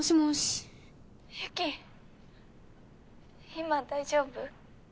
今大丈夫？